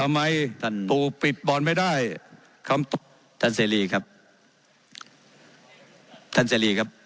ทำไมตัวปิดบอลไม่ได้ท่านเซรีครับท่านเซรีครับ